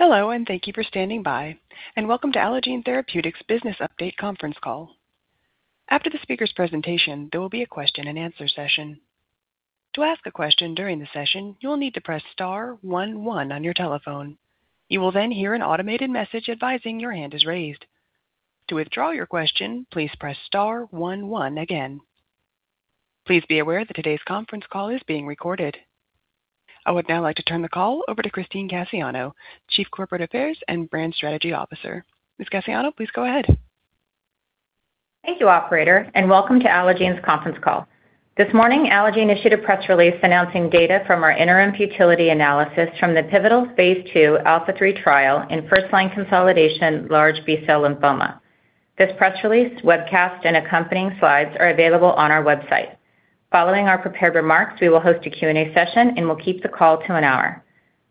Hello. Thank you for standing by, and welcome to Allogene Therapeutics' business update conference call. After the speaker's presentation, there will be a question and answer session. To ask a question during the session, you will need to press star one one on your telephone. You will then hear an automated message advising your hand is raised. To withdraw your question, please press star one one again. Please be aware that today's conference call is being recorded. I would now like to turn the call over to Christine Cassiano, Chief Corporate Affairs and Brand Strategy Officer. Ms. Cassiano, please go ahead. Thank you, operator, and welcome to Allogene's conference call. This morning, Allogene issued a press release announcing data from our interim futility analysis from the pivotal phase II ALPHA3 trial in first-line consolidation large B-cell lymphoma. This press release, webcast, and accompanying slides are available on our website. Following our prepared remarks, we will host a Q&A session, and we'll keep the call to an hour.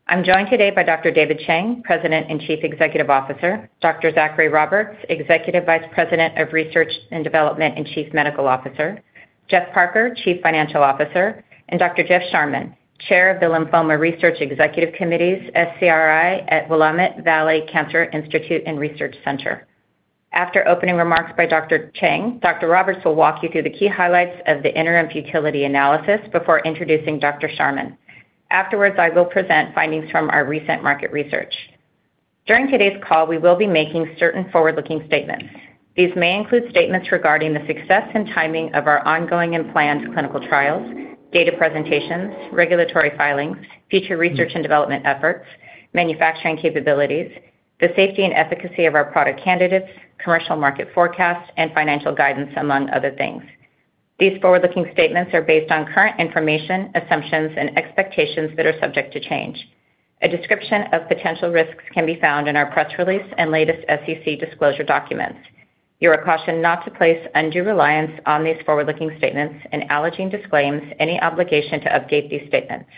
I'm joined today by Dr. David Chang, President and Chief Executive Officer, Dr. Zachary Roberts, Executive Vice President of Research & Development and Chief Medical Officer, Geoff Parker, Chief Financial Officer, and Dr. Jeff Sharman, Chair of the Lymphoma Research Executive Committees, SCRI at Willamette Valley Cancer Institute and Research Center. After opening remarks by Dr. Chang, Dr. Roberts will walk you through the key highlights of the interim futility analysis before introducing Dr. Sharman. Afterwards, I will present findings from our recent market research. During today's call, we will be making certain forward-looking statements. These may include statements regarding the success and timing of our ongoing and planned clinical trials, data presentations, regulatory filings, future research and development efforts, manufacturing capabilities, the safety and efficacy of our product candidates, commercial market forecasts, and financial guidance, among other things. These forward-looking statements are based on current information, assumptions, and expectations that are subject to change. A description of potential risks can be found in our press release and latest SEC disclosure documents. You are cautioned not to place undue reliance on these forward-looking statements, and Allogene disclaims any obligation to update these statements.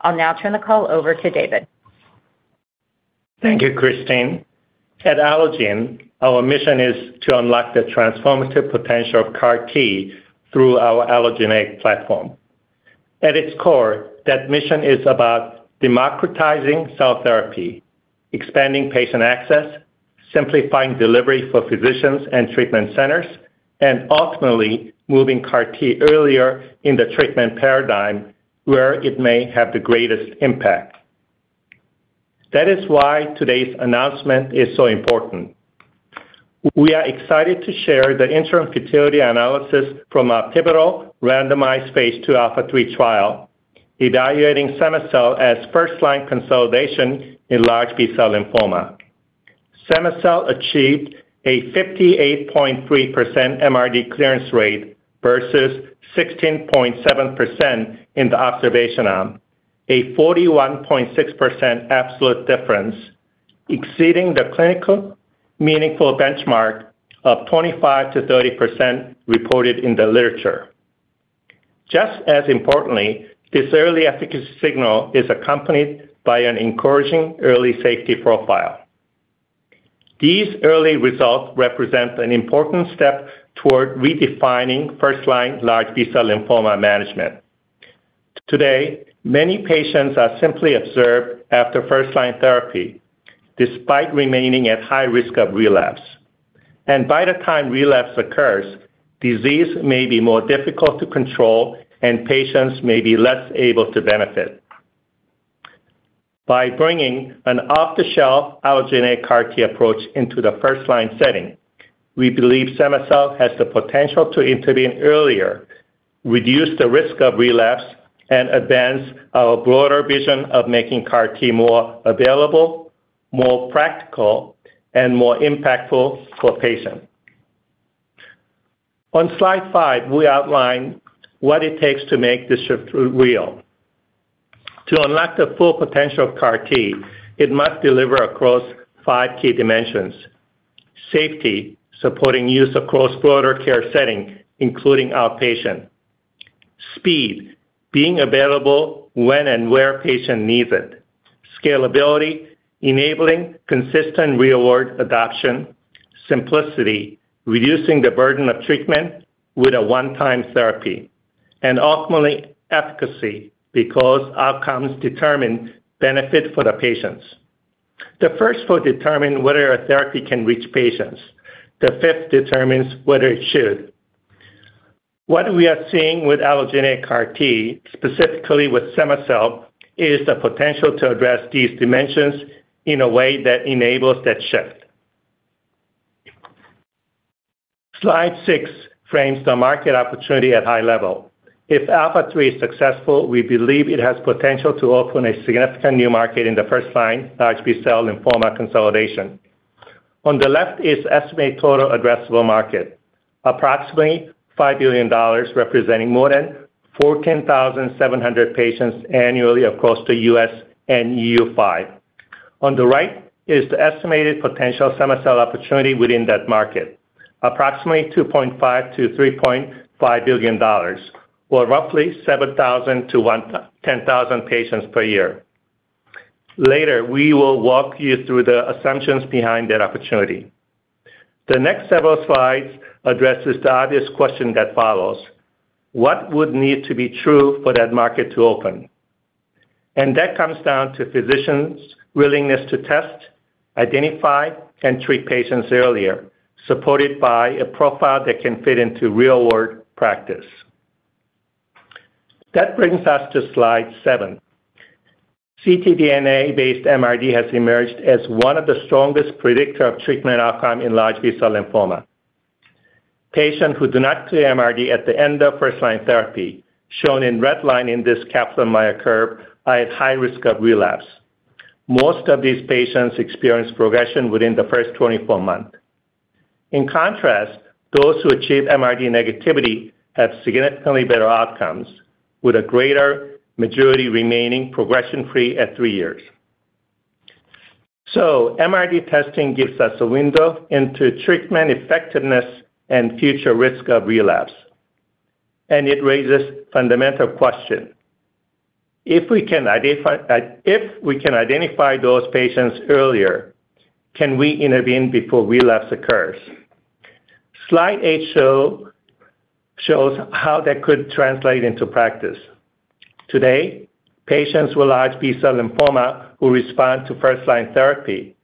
I'll now turn the call over to David. Thank you, Christine. At Allogene, our mission is to unlock the transformative potential of CAR T through our allogeneic platform. At its core, that mission is about democratizing cell therapy, expanding patient access, simplifying delivery for physicians and treatment centers, and ultimately moving CAR T earlier in the treatment paradigm where it may have the greatest impact. That is why today's announcement is so important. We are excited to share the interim futility analysis from our pivotal randomized phase II ALPHA3 trial evaluating cema-cel as first-line consolidation in large B-cell lymphoma. Cema-cel achieved a 58.3% MRD clearance rate versus 16.7% in the observation arm, a 41.6% absolute difference, exceeding the clinical meaningful benchmark of 25%-30% reported in the literature. Just as importantly, this early efficacy signal is accompanied by an encouraging early safety profile. These early results represent an important step toward redefining first-line large B-cell lymphoma management. Today, many patients are simply observed after first-line therapy, despite remaining at high risk of relapse. By the time relapse occurs, disease may be more difficult to control, and patients may be less able to benefit. By bringing an off-the-shelf allogeneic CAR T approach into the first-line setting, we believe cema-cel has the potential to intervene earlier, reduce the risk of relapse, and advance our broader vision of making CAR T more available, more practical, and more impactful for patients. On slide five, we outline what it takes to make this shift real. To unlock the full potential of CAR T, it must deliver across five key dimensions. Safety, supporting use across broader care settings, including outpatient. Speed, being available when and where patient needs it. Scalability, enabling consistent real-world adoption. Simplicity, reducing the burden of treatment with a one-time therapy. Ultimately, efficacy, because outcomes determine benefit for the patients. The first four determine whether a therapy can reach patients. The fifth determines whether it should. What we are seeing with allogeneic CAR T, specifically with cema-cel, is the potential to address these dimensions in a way that enables that shift. Slide six frames the market opportunity at high level. If ALPHA3 is successful, we believe it has potential to open a significant new market in the first-line large B-cell lymphoma consolidation. On the left is estimated total addressable market, approximately $5 billion representing more than 14,700 patients annually across the U.S. and EU5. On the right is the estimated potential cema-cel opportunity within that market, approximately $2.5 billion-$3.5 billion or roughly 7,000-10,000 patients per year. Later, we will walk you through the assumptions behind that opportunity. The next several slides addresses the obvious question that follows, what would need to be true for that market to open? That comes down to physicians' willingness to test, identify, and treat patients earlier, supported by a profile that can fit into real-world practice. That brings us to slide seven. ctDNA-based MRD has emerged as one of the strongest predictors of treatment outcome in large B-cell lymphoma. Patients who do not clear MRD at the end of first-line therapy, shown in red line in this Kaplan-Meier curve, are at high risk of relapse. Most of these patients experience progression within the first 24 months. In contrast, those who achieve MRD negativity have significantly better outcomes, with a greater majority remaining progression-free at three years. MRD testing gives us a window into treatment effectiveness and future risk of relapse, and it raises fundamental question. If we can identify those patients earlier, can we intervene before relapse occurs? Slide eight shows how that could translate into practice. Today, patients with large B-cell lymphoma who respond to first-line therapy,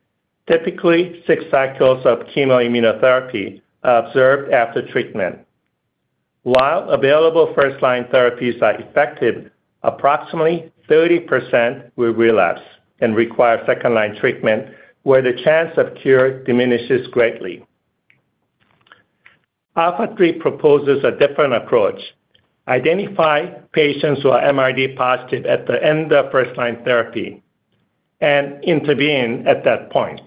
typically six cycles of chemoimmunotherapy, are observed after treatment. While available first-line therapies are effective, approximately 30% will relapse and require second-line treatment, where the chance of cure diminishes greatly. ALPHA3 proposes a different approach. Identify patients who are MRD positive at the end of first-line therapy and intervene at that point.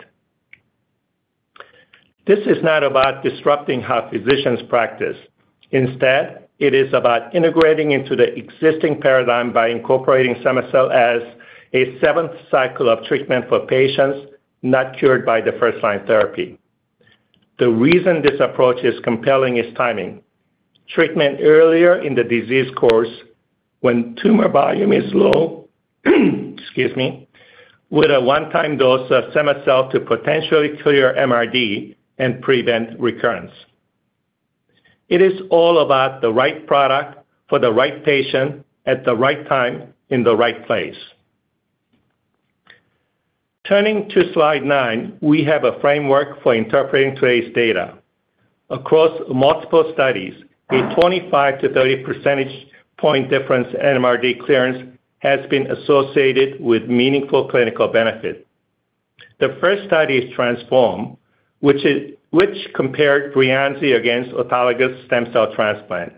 This is not about disrupting how physicians practice. Instead, it is about integrating into the existing paradigm by incorporating cema-cel a seventh cycle of treatment for patients not cured by the first-line therapy. The reason this approach is compelling is timing, treatment earlier in the disease course when tumor volume is low, excuse me, with a one-time dose of cema-cel to potentially clear MRD and prevent recurrence. It is all about the right product for the right patient at the right time in the right place. Turning to slide nine, we have a framework for interpreting today's data. Across multiple studies, a 25-30 percentage point difference in MRD clearance has been associated with meaningful clinical benefit. The first study is TRANSFORM, which compared Breyanzi against autologous stem cell transplant.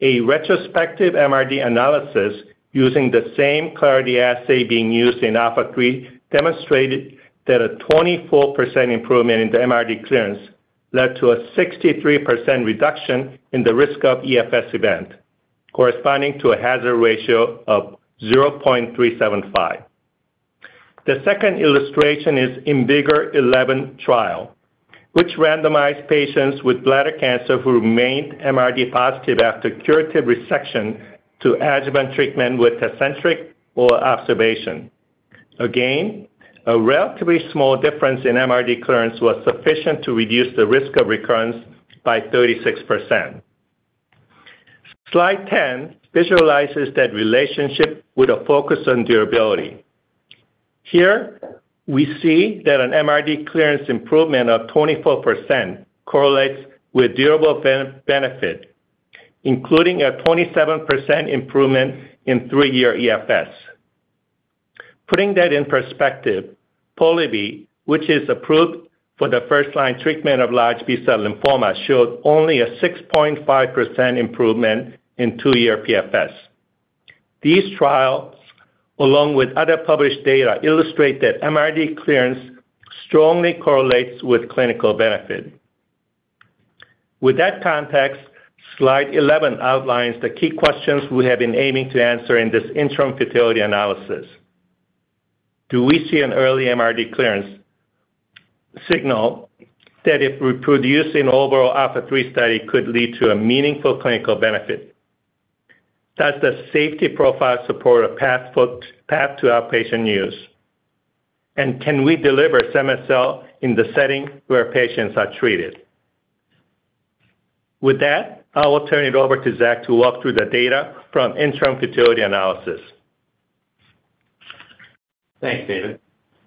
Retrospective MRD analysis using the same Cardiac assay being used in ALPHA3 demonstrated that a 24% improvement in the MRD clearance led to a 63% reduction in the risk of EFS event, corresponding to a hazard ratio of 0.375. The second illustration is IMvigor011 trial, which randomized patients with bladder cancer who remained MRD positive after curative resection to adjuvant treatment with Tecentriq or observation. Again, a relatively small difference in MRD clearance was sufficient to reduce the risk of recurrence by 36%. Slide 10 visualizes that relationship with a focus on durability. Here, we see that an MRD clearance improvement of 24% correlates with durable benefit, including a 27% improvement in three-year EFS. Putting that in perspective, Polivy, which is approved for the first-line treatment of large B-cell lymphoma, showed only a 6.5% improvement in two-year PFS. These trials, along with other published data, illustrate that MRD clearance strongly correlates with clinical benefit. With that context, slide 11 outlines the key questions we have been aiming to answer in this interim futility analysis. Do we see an early MRD clearance signal that if reproduced in overall ALPHA3 study could lead to a meaningful clinical benefit? Does the safety profile support a path to outpatient use? Can we deliver cema-cel in the setting where patients are treated? With that, I will turn it over to Zach to walk through the data from interim futility analysis. Thanks, David.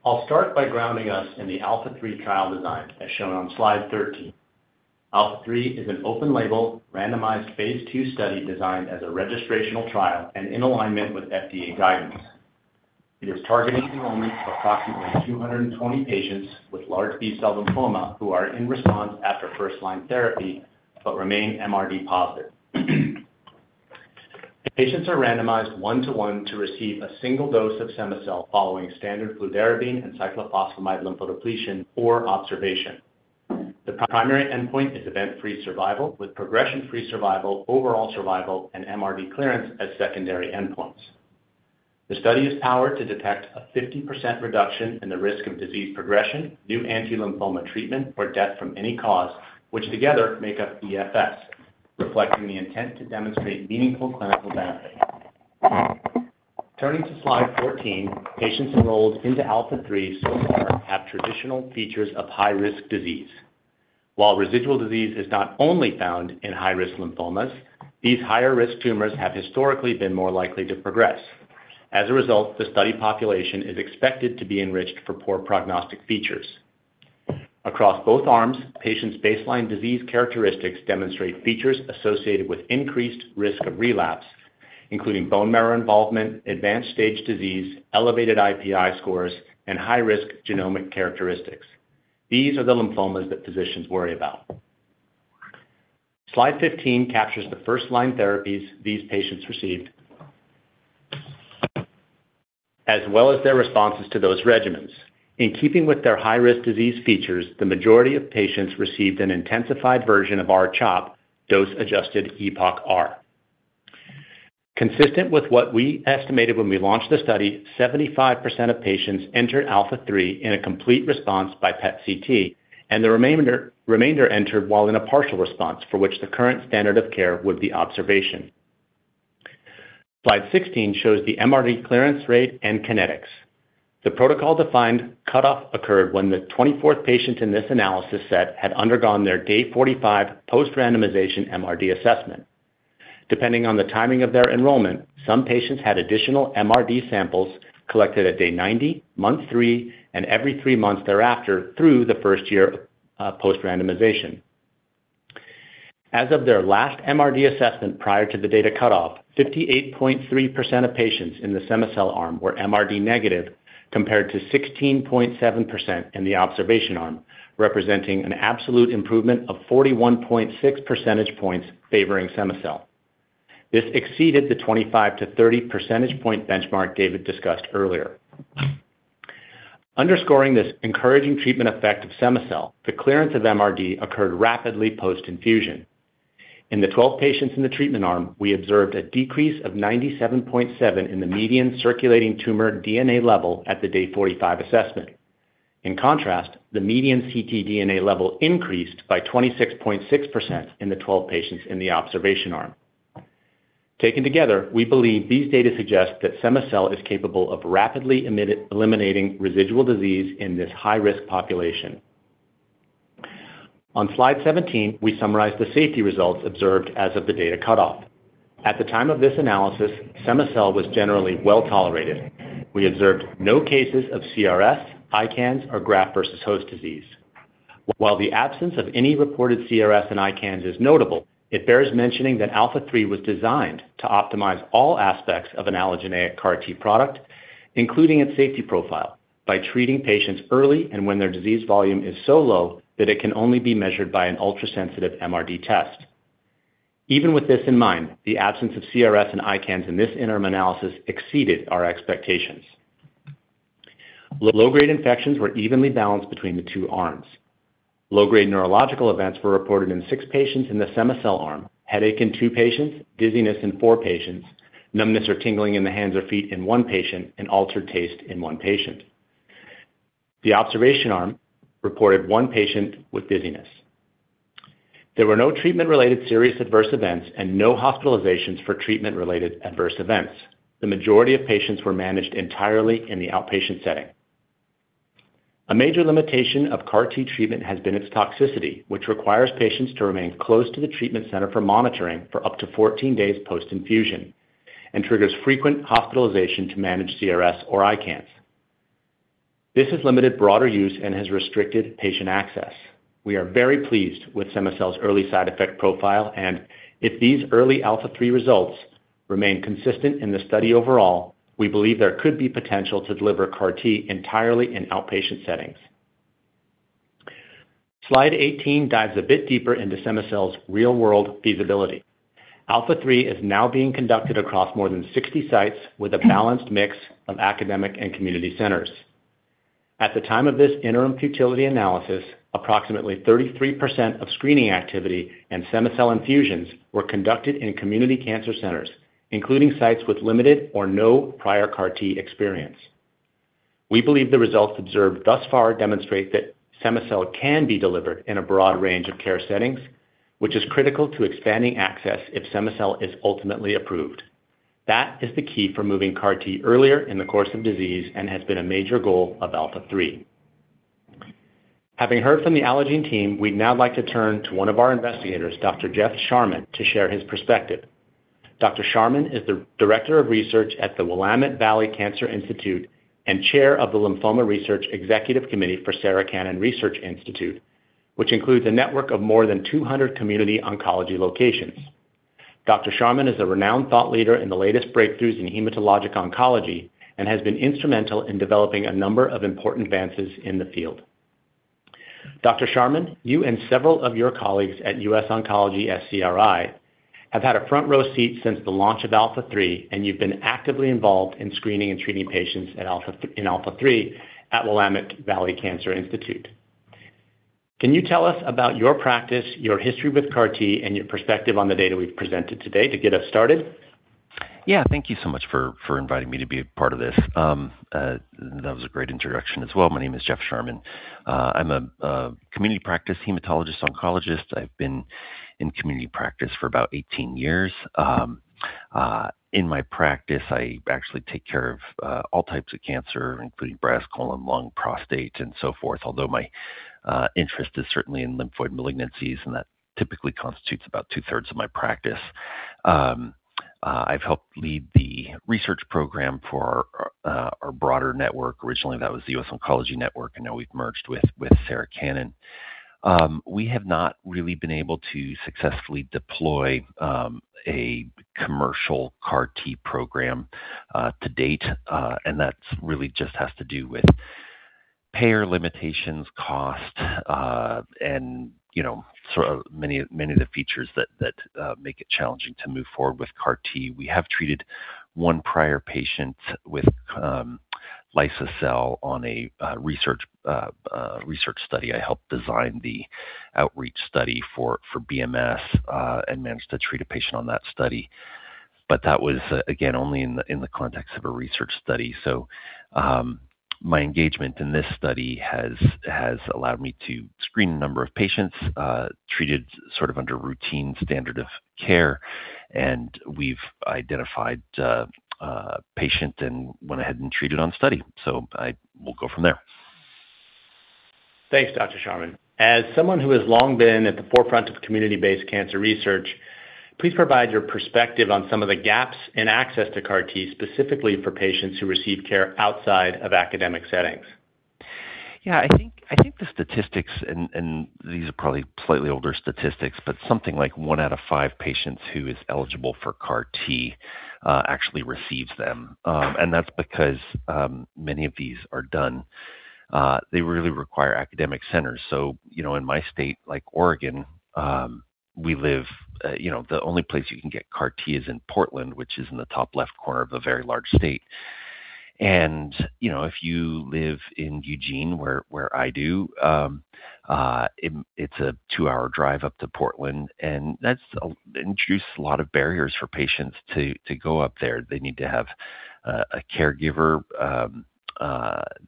I'll start by grounding us in the ALPHA3 trial design, as shown on slide 13. ALPHA3 is an open-label, randomized phase II study designed as a registrational trial and in alignment with FDA guidance. It is targeting enrollment of approximately 220 patients with large B-cell lymphoma who are in response after first-line therapy but remain MRD positive. Patients are randomized 1 to 1 to receive a single dose of cema-cel following standard fludarabine and cyclophosphamide lymphodepletion or observation. The primary endpoint is event-free survival, with progression-free survival, overall survival, and MRD clearance as secondary endpoints. The study is powered to detect a 50% reduction in the risk of disease progression, new anti-lymphoma treatment, or death from any cause, which together make up EFS, reflecting the intent to demonstrate meaningful clinical benefit. Turning to slide 14, patients enrolled into ALPHA3 so far have traditional features of high-risk disease. While residual disease is not only found in high-risk lymphomas, these higher-risk tumors have historically been more likely to progress. As a result, the study population is expected to be enriched for poor prognostic features. Across both arms, patients' baseline disease characteristics demonstrate features associated with increased risk of relapse, including bone marrow involvement, advanced-stage disease, elevated IPI scores, and high-risk genomic characteristics. These are the lymphomas that physicians worry about. Slide 15 captures the first-line therapies these patients received, as well as their responses to those regimens. In keeping with their high-risk disease features, the majority of patients received an intensified version of R-CHOP, dose-adjusted EPOCH-R. Consistent with what we estimated when we launched the study, 75% of patients entered ALPHA3 in a complete response by PET-CT, and the remainder entered while in a partial response, for which the current standard of care would be observation. Slide 16 shows the MRD clearance rate and kinetics. The protocol-defined cutoff occurred when the 24th patient in this analysis set had undergone their day 45 post-randomization MRD assessment. Depending on the timing of their enrollment, some patients had additional MRD samples collected at day 90, month three, and every three months thereafter through the first year of post-randomization. As of their last MRD assessment prior to the data cutoff, 58.3% of patients in the cema-cel arm were MRD negative, compared to 16.7% in the observation arm, representing an absolute improvement of 41.6 percentage points favoring cema-cel. This exceeded the 25-30 percentage point benchmark David discussed earlier. Underscoring this encouraging treatment effect of cema-cel, the clearance of MRD occurred rapidly post-infusion. In the 12 patients in the treatment arm, we observed a decrease of 97.7 in the median circulating tumor DNA level at the day 45 assessment. In contrast, the median ctDNA level increased by 26.6% in the 12 patients in the observation arm. Taken together, we believe these data suggest that cema-cel is capable of rapidly eliminating residual disease in this high-risk population. On slide 17, we summarize the safety results observed as of the data cutoff. At the time of this analysis, cema-cel was generally well-tolerated. We observed no cases of CRS, ICANS, or graft-versus-host disease. While the absence of any reported CRS and ICANS is notable, it bears mentioning that ALPHA3 was designed to optimize all aspects of an allogeneic CAR T product, including its safety profile, by treating patients early and when their disease volume is so low that it can only be measured by an ultrasensitive MRD test. Even with this in mind, the absence of CRS and ICANS in this interim analysis exceeded our expectations. Low-grade infections were evenly balanced between the two arms. Low-grade neurological events were reported in six patients in the cema-cel arm, headache in two patients, dizziness in four patients, numbness or tingling in the hands or feet in one patient, and altered taste in one patient. The observation arm reported one patient with dizziness. There were no treatment-related serious adverse events and no hospitalizations for treatment-related adverse events. The majority of patients were managed entirely in the outpatient setting. A major limitation of CAR T treatment has been its toxicity, which requires patients to remain close to the treatment center for monitoring for up to 14 days post-infusion and triggers frequent hospitalization to manage CRS or ICANS. This has limited broader use and has restricted patient access. We are very pleased with cema-cel's early side effect profile and if these early ALPHA3 results remain consistent in the study overall, we believe there could be potential to deliver CAR T entirely in outpatient settings. Slide 18 dives a bit deeper into cema-cel's real-world feasibility. ALPHA3 is now being conducted across more than 60 sites with a balanced mix of academic and community centers. At the time of this interim futility analysis, approximately 33% of screening activity and cema-cel infusions were conducted in community cancer centers, including sites with limited or no prior CAR T experience. We believe the results observed thus far demonstrate that cema-cel can be delivered in a broad range of care settings, which is critical to expanding access if cema-cel is ultimately approved. That is the key for moving CAR T earlier in the course of disease and has been a major goal of ALPHA3. Having heard from the Allogene team, we'd now like to turn to one of our investigators, Dr. Jeff Sharman, to share his perspective. Dr. Sharman is the Director of Research at the Willamette Valley Cancer Institute and Chair of the Lymphoma Research Executive Committee for Sarah Cannon Research Institute, which includes a network of more than 200 community oncology locations. Dr. Sharman is a renowned thought leader in the latest breakthroughs in hematologic oncology and has been instrumental in developing a number of important advances in the field. Dr. Sharman, you and several of your colleagues at US Oncology SCRI have had a front-row seat since the launch of ALPHA3, and you've been actively involved in screening and treating patients in ALPHA3 at Willamette Valley Cancer Institute. Can you tell us about your practice, your history with CAR T, and your perspective on the data we've presented today to get us started? Thank you so much for inviting me to be a part of this. That was a great introduction as well. My name is Jeff Sharman. I'm a community practice hematologist oncologist. I've been in community practice for about 18 years. In my practice, I actually take care of all types of cancer, including breast, colon, lung, prostate, and so forth, although my interest is certainly in lymphoid malignancies, and that typically constitutes about two-thirds of my practice. I've helped lead the research program for our broader network. Originally, that was The US Oncology Network, and now we've merged with Sarah Cannon. We have not really been able to successfully deploy a commercial CAR T program to date, and that really just has to do with payer limitations, cost, and many of the features that make it challenging to move forward with CAR T. We have treated one prior patient with liso-cel on a research study. I helped design the Outreach study for BMS and managed to treat a patient on that study. That was, again, only in the context of a research study. My engagement in this study has allowed me to screen a number of patients treated under routine standard of care, and we've identified a patient and went ahead and treated on study. I will go from there. Thanks, Dr. Sharman. As someone who has long been at the forefront of community-based cancer research, please provide your perspective on some of the gaps in access to CAR T, specifically for patients who receive care outside of academic settings. Yeah. I think the statistics, and these are probably slightly older statistics, but something like one out of five patients who is eligible for CAR T actually receives them, and that's because many of these are done, they really require academic centers. So, in my state, like Oregon, the only place you can get CAR T is in Portland, which is in the top left corner of a very large state. And if you live in Eugene, where I do, it's a two-hour drive up to Portland, and that introduces a lot of barriers for patients to go up there. They need to have a caregiver.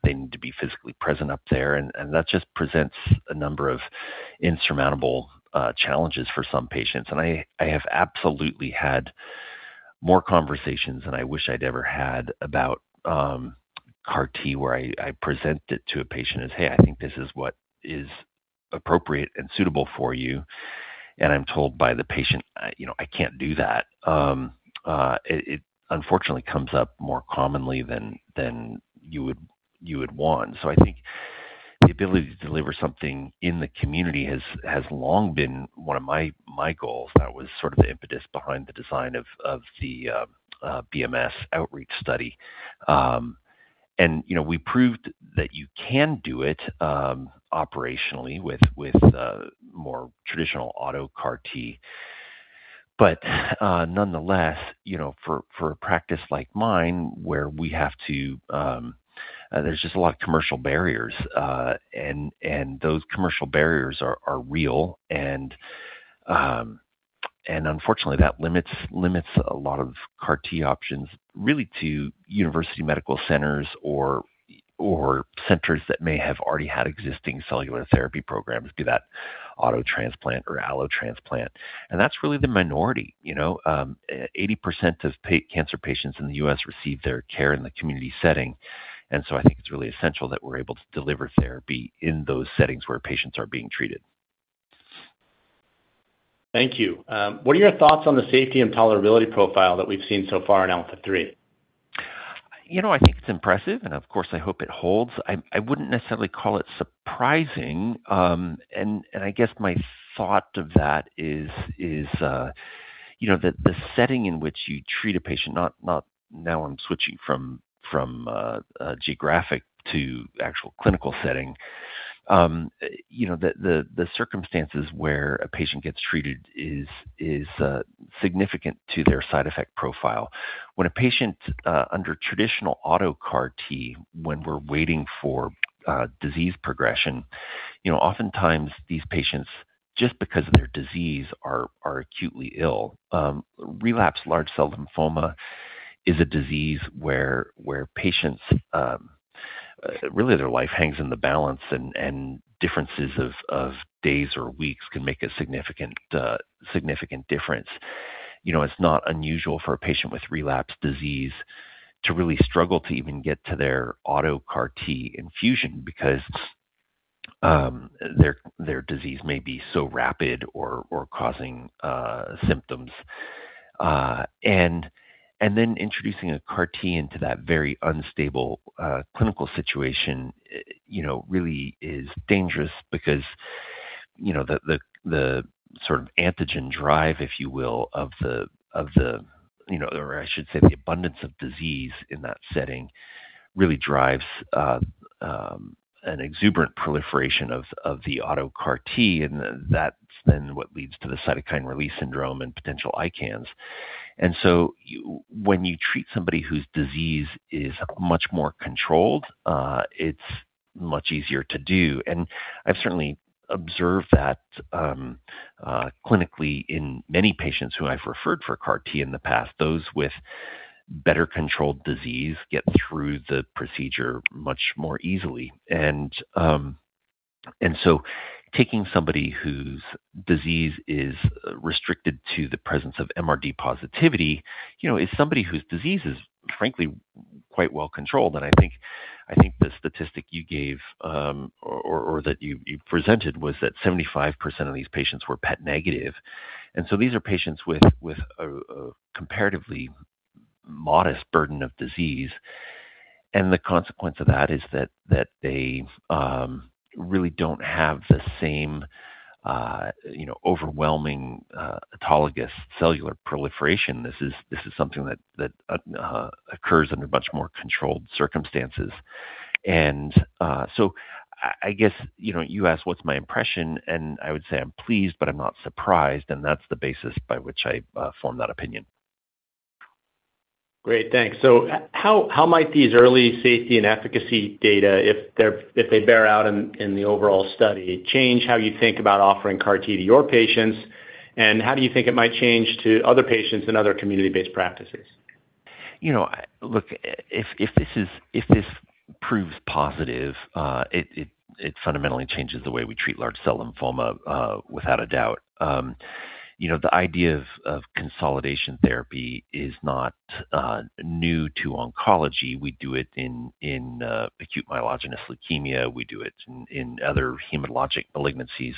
They need to be physically present up there, and that just presents a number of insurmountable challenges for some patients. I have absolutely had more conversations than I wish I'd ever had about CAR T, where I present it to a patient as, "Hey, I think this is what is appropriate and suitable for you," and I'm told by the patient, "I can't do that." It unfortunately comes up more commonly than you would want. I think the ability to deliver something in the community has long been one of my goals. That was sort of the impetus behind the design of the BMS outreach study. We proved that you can do it operationally with more traditional auto CAR T. Nonetheless, for a practice like mine, there's just a lot of commercial barriers, and those commercial barriers are real, and unfortunately, that limits a lot of CAR T options, really to university medical centers or centers that may have already had existing cellular therapy programs, be that auto transplant or allo transplant. That's really the minority. 80% of cancer patients in the U.S. receive their care in the community setting, and so I think it's really essential that we're able to deliver therapy in those settings where patients are being treated. Thank you. What are your thoughts on the safety and tolerability profile that we've seen so far in ALPHA3? I think it's impressive, and of course, I hope it holds. I wouldn't necessarily call it surprising, and I guess my thought of that is that the setting in which you treat a patient, now I'm switching from geographic to actual clinical setting. The circumstances where a patient gets treated is significant to their side effect profile. When a patient under traditional auto CAR T, when we're waiting for disease progression, oftentimes these patients, just because of their disease, are acutely ill. Relapsed large cell lymphoma is a disease where patients, really their life hangs in the balance, and differences of days or weeks can make a significant difference. It's not unusual for a patient with relapsed disease to really struggle to even get to their auto CAR T infusion because their disease may be so rapid or causing symptoms. Introducing a CAR T into that very unstable clinical situation really is dangerous because the sort of antigen drive, if you will, or I should say, the abundance of disease in that setting really drives an exuberant proliferation of the auto CAR T, and that's then what leads to the cytokine release syndrome and potential ICANS. When you treat somebody whose disease is much more controlled, it's much easier to do. I've certainly observed that clinically in many patients who I've referred for CAR T in the past, those with better-controlled disease get through the procedure much more easily. Taking somebody whose disease is restricted to the presence of MRD positivity is somebody whose disease is frankly quite well controlled. I think the statistic you gave or that you presented was that 75% of these patients were PET negative. These are patients with a comparatively modest burden of disease. The consequence of that is that they really don't have the same overwhelming autologous cellular proliferation. This is something that occurs under much more controlled circumstances. I guess you asked what's my impression, and I would say I'm pleased, but I'm not surprised, and that's the basis by which I form that opinion. Great. Thanks. How might these early safety and efficacy data, if they bear out in the overall study, change how you think about offering CAR T to your patients, and how do you think it might change to other patients in other community-based practices? Look, if this proves positive, it fundamentally changes the way we treat large cell lymphoma, without a doubt. The idea of consolidation therapy is not new to oncology. We do it in acute myelogenous leukemia. We do it in other hematologic malignancies.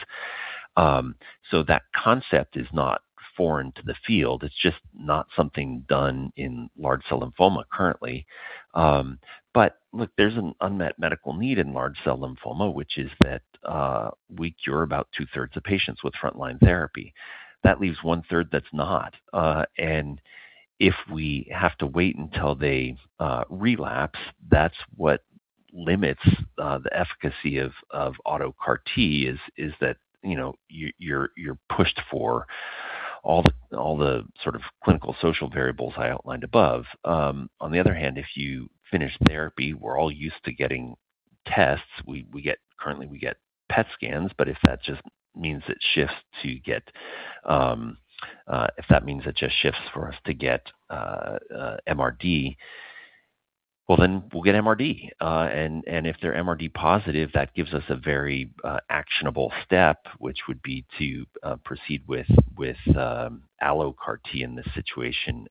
That concept is not foreign to the field. It's just not something done in large cell lymphoma currently. Look, there's an unmet medical need in large cell lymphoma, which is that we cure about 2/3 of patients with frontline therapy. That leaves 1/3 that's not. If we have to wait until they relapse, that's what limits the efficacy of auto CAR T, is that you're pushed for all the sort of clinical social variables I outlined above. On the other hand, if you finish therapy, we're all used to getting tests. Currently, we get PET scans, but if that means it just shifts for us to get MRD, well, then we'll get MRD. If they're MRD positive, that gives us a very actionable step, which would be to proceed with AlloCAR T in this situation.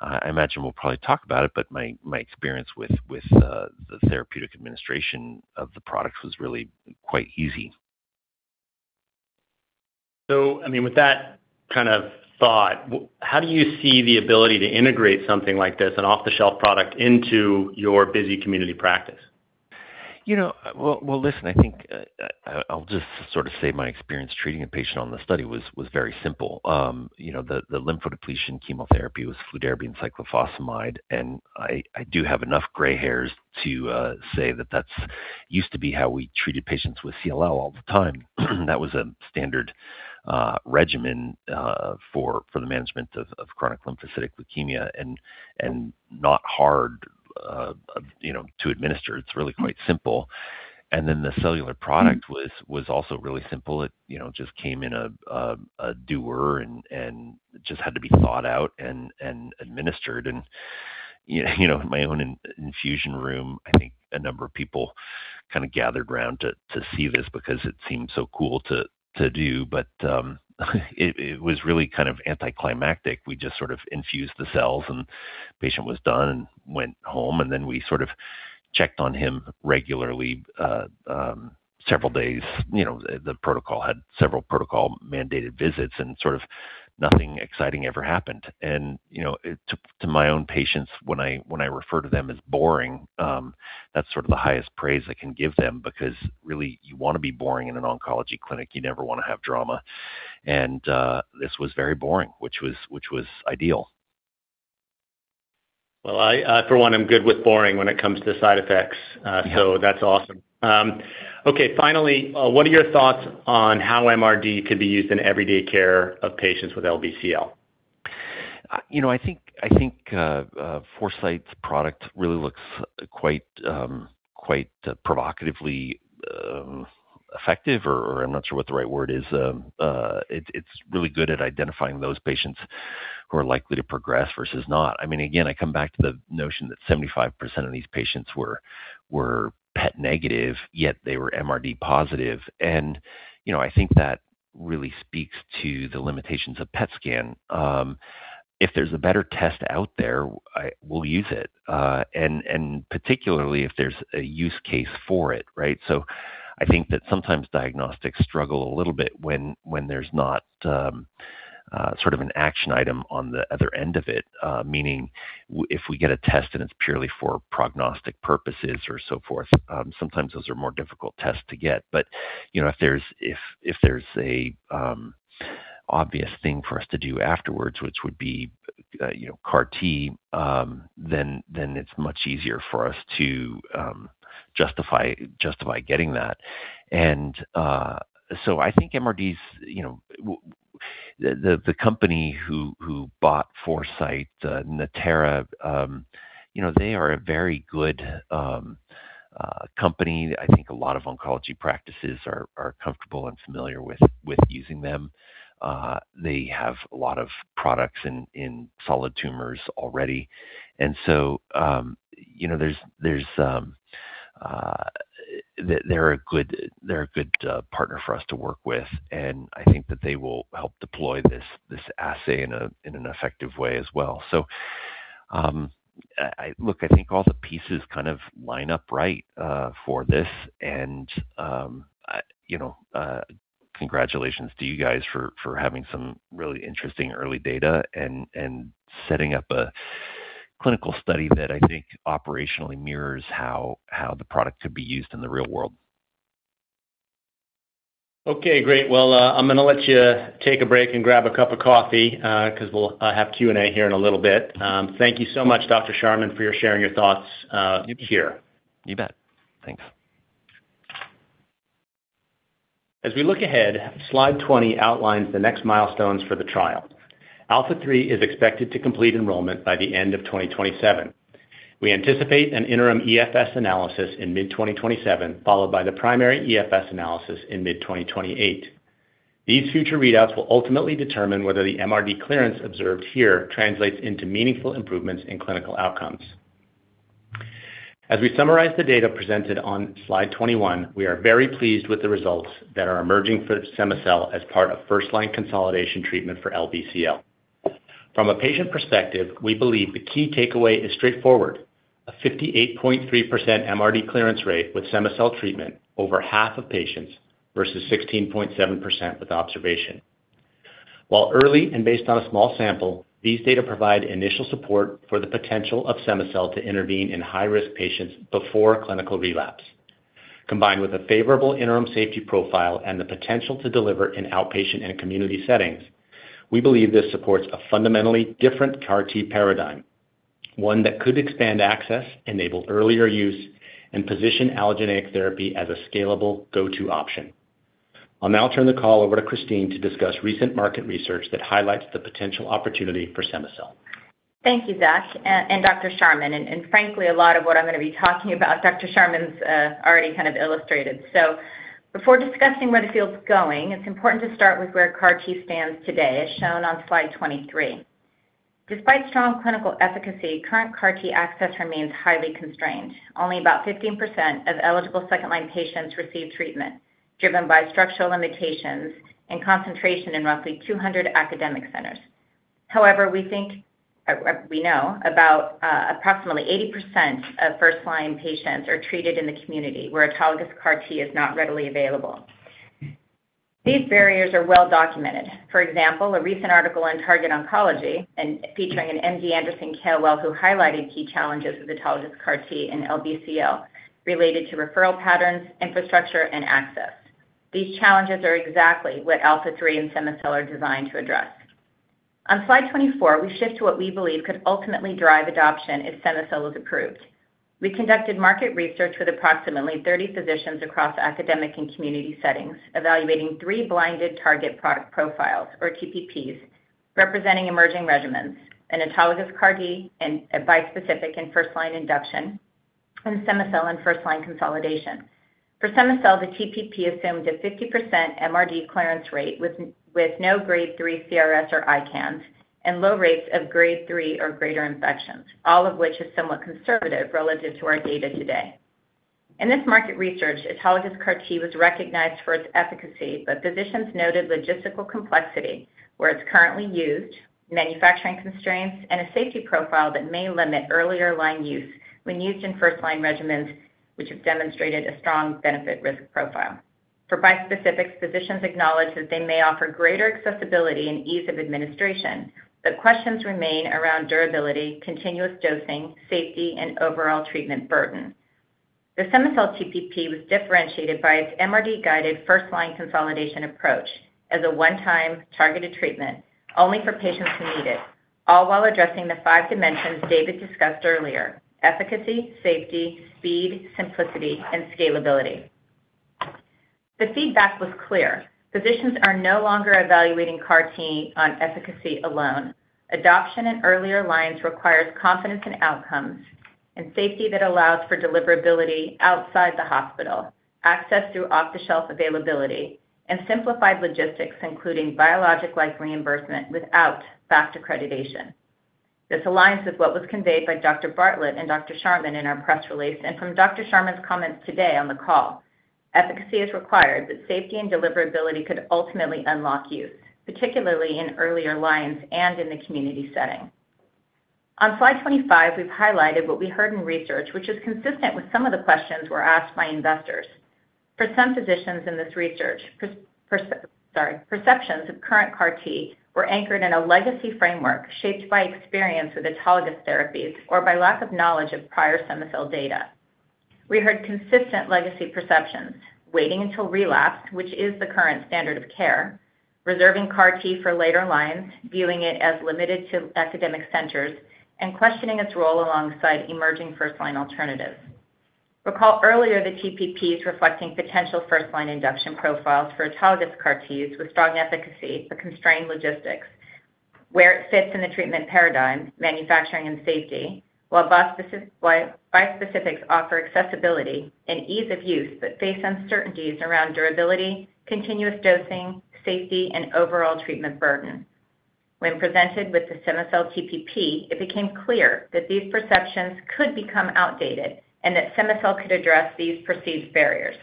I imagine we'll probably talk about it, but my experience with the therapeutic administration of the product was really quite easy. I mean, with that kind of thought, how do you see the ability to integrate something like this, an off-the-shelf product, into your busy community practice? Well, listen, I think I'll just sort of say my experience treating a patient on the study was very simple. The lymphodepletion chemotherapy was fludarabine cyclophosphamide, and I do have enough gray hairs to say that that's used to be how we treated patients with CLL all the time. That was a standard regimen for the management of chronic lymphocytic leukemia and not hard to administer. It's really quite simple. The cellular product was also really simple. It just came in a dewar and just had to be thawed out and administered. My own infusion room, I think a number of people kind of gathered around to see this because it seemed so cool to do. It was really kind of anticlimactic. We just sort of infused the cells, and the patient was done and went home. We sort of checked on him regularly, several days. The protocol had several protocol-mandated visits and sort of nothing exciting ever happened. To my own patients, when I refer to them as boring, that's sort of the highest praise I can give them, because really, you want to be boring in an oncology clinic. You never want to have drama. This was very boring, which was ideal. Well, I, for one, I'm good with boring when it comes to side effects. Yeah That's awesome. Okay, finally, what are your thoughts on how MRD could be used in everyday care of patients with LBCL? I think Foresight's product really looks quite provocatively effective, or I'm not sure what the right word is. It's really good at identifying those patients who are likely to progress versus not. I mean, again, I come back to the notion that 75% of these patients were PET negative, yet they were MRD positive. I think that really speaks to the limitations of PET scan. If there's a better test out there, we'll use it. Particularly if there's a use case for it, right? I think that sometimes diagnostics struggle a little bit when there's not sort of an action item on the other end of it, meaning if we get a test and it's purely for prognostic purposes or so forth, sometimes those are more difficult tests to get. If there's a obvious thing for us to do afterwards, which would be CAR T, then it's much easier for us to justify getting that. The company who bought Foresight, Natera, they are a very good company. I think a lot of oncology practices are comfortable and familiar with using them. They have a lot of products in solid tumors already. They're a good partner for us to work with, and I think that they will help deploy this assay in an effective way as well. Look, I think all the pieces kind of line up right for this, and congratulations to you guys for having some really interesting early data and setting up a clinical study that I think operationally mirrors how the product could be used in the real world. Okay, great. Well, I'm going to let you take a break and grab a cup of coffee, because we'll have Q&A here in a little bit. Thank you so much, Dr. Sharman, for sharing your thoughts here. You bet. Thanks. As we look ahead, Slide 20 outlines the next milestones for the trial. ALPHA3 is expected to complete enrollment by the end of 2027. We anticipate an interim EFS analysis in mid-2027, followed by the primary EFS analysis in mid-2028. These future readouts will ultimately determine whether the MRD clearance observed here translates into meaningful improvements in clinical outcomes. As we summarize the data presented on Slide 21, we are very pleased with the results that are emerging for cema-cel as part of first-line consolidation treatment for LBCL. From a patient perspective, we believe the key takeaway is straightforward. A 58.3% MRD clearance rate with cema-cel treatment over half of patients versus 16.7% with observation. While early and based on a small sample, these data provide initial support for the potential of cema-cel to intervene in high-risk patients before clinical relapse. Combined with a favorable interim safety profile and the potential to deliver in outpatient and community settings, we believe this supports a fundamentally different CAR T paradigm, one that could expand access, enable earlier use, and position allogeneic therapy as a scalable go-to option. I'll now turn the call over to Christine to discuss recent market research that highlights the potential opportunity for cema-cel. Thank you, Zach and Dr. Sharman. Frankly, a lot of what I'm going to be talking about, Dr. Sharman's already kind of illustrated. Before discussing where the field's going, it's important to start with where CAR T stands today, as shown on Slide 23. Despite strong clinical efficacy, current CAR T access remains highly constrained. Only about 15% of eligible second-line patients receive treatment, driven by structural limitations and concentration in roughly 200 academic centers. However, we know about approximately 80% of first-line patients are treated in the community where autologous CAR T is not readily available. These barriers are well documented. For example, a recent article in Targeted Oncology featuring an MD Anderson, care well who highlighted key challenges with autologous CAR T and LBCL related to referral patterns, infrastructure, and access. These challenges are exactly what ALPHA3 and cema-cel are designed to address. On Slide 24, we shift to what we believe could ultimately drive adoption if cema-cel is approved. We conducted market research with approximately 30 physicians across academic and community settings, evaluating three blinded target product profiles, or TPPs, representing emerging regimens, an autologous CAR T and a bispecific in first-line induction, and cema-cel in first-line consolidation. For cema-cel, the TPP assumed a 50% MRD clearance rate with no Grade 3 CRS or ICANS and low rates of Grade 3 or greater infections, all of which is somewhat conservative relative to our data today. In this market research, autologous CAR T was recognized for its efficacy, but physicians noted logistical complexity where it's currently used, manufacturing constraints, and a safety profile that may limit earlier line use when used in first-line regimens, which have demonstrated a strong benefit-risk profile. For bispecifics, physicians acknowledge that they may offer greater accessibility and ease of administration, but questions remain around durability, continuous dosing, safety, and overall treatment burden. The cema-cel TPP was differentiated by its MRD-guided first-line consolidation approach as a one-time targeted treatment, only for patients who need it, all while addressing the 5 dimensions David discussed earlier, efficacy, safety, speed, simplicity, and scalability. The feedback was clear. Physicians are no longer evaluating CAR T on efficacy alone. Adoption in earlier lines requires confidence in outcomes and safety that allows for deliverability outside the hospital, access through off-the-shelf availability, and simplified logistics, including biologic-like reimbursement without FACT accreditation. This aligns with what was conveyed by Dr. Bartlett and Dr. Sharman in our press release and from Dr. Sharman's comments today on the call. Efficacy is required, but safety and deliverability could ultimately unlock use, particularly in earlier lines and in the community setting. On Slide 25, we've highlighted what we heard in research, which is consistent with some of the questions were asked by investors. For some physicians in this research, perceptions of current CAR T were anchored in a legacy framework shaped by experience with autologous therapies or by lack of knowledge of prior cema-cel data. We heard consistent legacy perceptions, waiting until relapse, which is the current standard of care, reserving CAR T for later lines, viewing it as limited to academic centers, and questioning its role alongside emerging first-line alternatives. Recall earlier the TPPs reflecting potential first-line induction profiles for autologous CAR T use with strong efficacy but constrained logistics, where it fits in the treatment paradigm, manufacturing and safety, while bispecifics offer accessibility and ease of use but face uncertainties around durability, continuous dosing, safety, and overall treatment burden. When presented with the cema-cel TPP, it became clear that these perceptions could become outdated and that cema-cel could address these perceived barriers.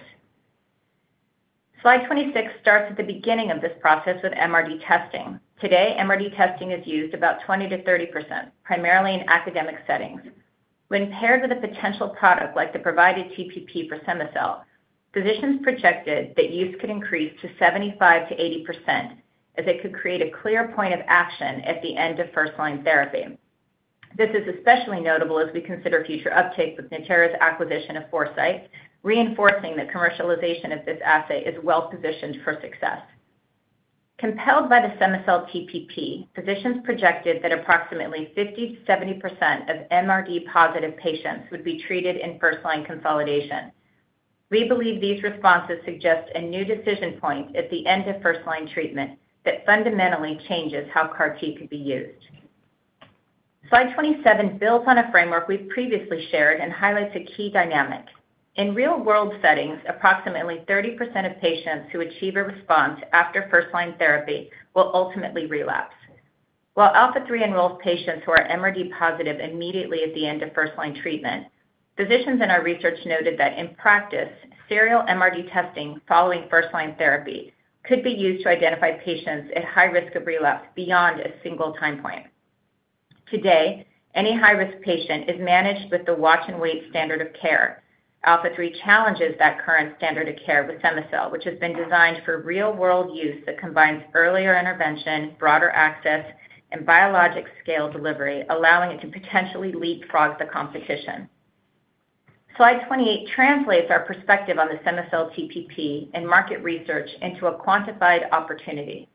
Slide 26 starts at the beginning of this process with MRD testing. Today, MRD testing is used about 20%-30%, primarily in academic settings. When paired with a potential product like the provided TPP for cema-cel, physicians projected that use could increase to 75%-80% as it could create a clear point of action at the end of first-line therapy. This is especially notable as we consider future uptake with Natera's acquisition of Foresight, reinforcing that commercialization of this assay is well-positioned for success. Compelled by the cema-cel TPP, physicians projected that approximately 50%-70% of MRD positive patients would be treated in first-line consolidation. We believe these responses suggest a new decision point at the end of first-line treatment that fundamentally changes how CAR T could be used. Slide 27 builds on a framework we've previously shared and highlights a key dynamic. In real-world settings, approximately 30% of patients who achieve a response after first-line therapy will ultimately relapse. While ALPHA3 enrolls patients who are MRD positive immediately at the end of first-line treatment, physicians in our research noted that in practice, serial MRD testing following first-line therapy could be used to identify patients at high risk of relapse beyond a single time point. Today, any high-risk patient is managed with the watch-and-wait standard of care. ALPHA3 challenges that current standard of care with cema-cel, which has been designed for real-world use that combines earlier intervention, broader access, and biologic scale delivery, allowing it to potentially leapfrog the competition. Slide 28 translates our perspective on the cema-cel TPP and market research into a quantified opportunity.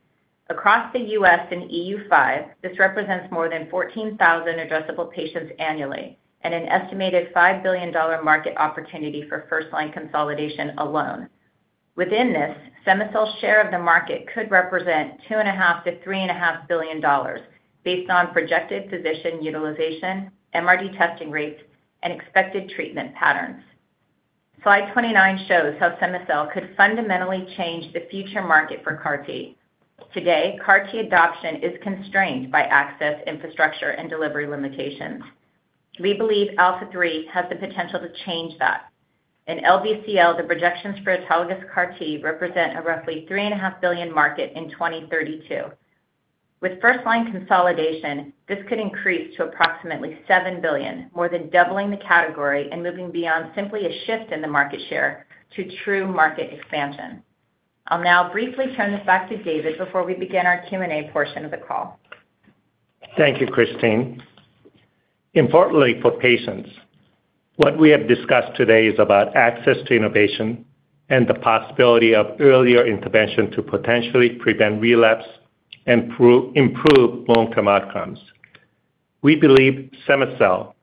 Across the U.S. and EU5, this represents more than 14,000 addressable patients annually and an estimated $5 billion market opportunity for first-line consolidation alone. Within this, cema-cel's share of the market could represent $2.5 billion-$3.5 billion based on projected physician utilization, MRD testing rates, and expected treatment patterns. Slide 29 shows how cema-cel could fundamentally change the future market for CAR T. Today, CAR T adoption is constrained by access, infrastructure, and delivery limitations. We believe ALPHA3 has the potential to change that. In LBCL, the projections for autologous CAR T represent a roughly $3.5 billion market in 2032. With first-line consolidation, this could increase to approximately $7 billion, more than doubling the category and moving beyond simply a shift in the market share to true market expansion. I'll now briefly turn this back to David before we begin our Q&A portion of the call. Thank you, Christine. Importantly for patients, what we have discussed today is about access to innovation and the possibility of earlier intervention to potentially prevent relapse and improve long-term outcomes. We believe cema-cel,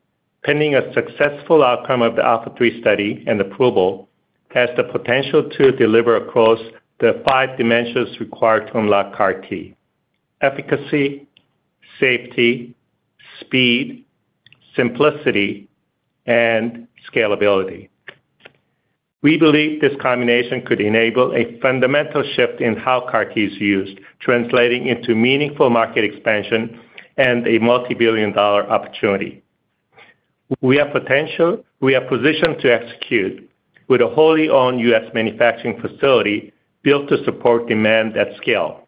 pending a successful outcome of the ALPHA3 study and approval, has the potential to deliver across the five dimensions required to unlock CAR T, efficacy, safety, speed, simplicity, and scalability. We believe this combination could enable a fundamental shift in how CAR T is used, translating into meaningful market expansion and a multibillion-dollar opportunity. We are positioned to execute with a wholly owned U.S. manufacturing facility built to support demand at scale.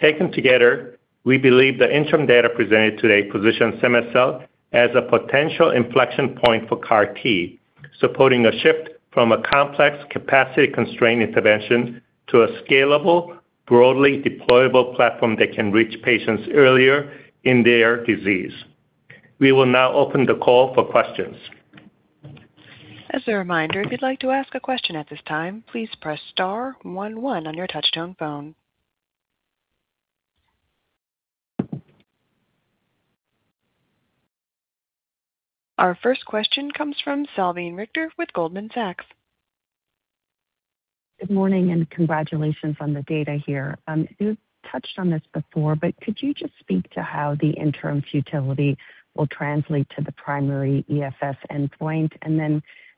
Taken together, we believe the interim data presented today positions cema-cel as a potential inflection point for CAR T, supporting a shift from a complex capacity-constrained intervention to a scalable, broadly deployable platform that can reach patients earlier in their disease. We will now open the call for questions. As a reminder, if you'd like to ask a question at this time, please press star one one on your touch-tone phone. Our first question comes from Salveen Richter with Goldman Sachs. Good morning, and congratulations on the data here. You touched on this before, but could you just speak to how the interim futility will translate to the primary EFS endpoint?